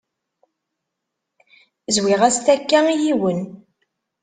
Zwiɣ-as takka i yiwen.